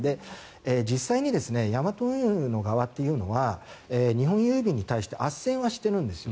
実際にヤマト運輸の側というのは日本郵便に対してあっせんはしてるんですよ。